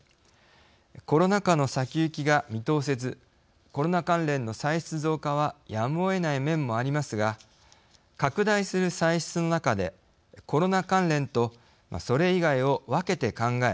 コロナ禍の先行きが見通せずコロナ関連の歳出増加はやむをえない面もありますが拡大する歳出の中でコロナ関連とそれ以外を分けて考え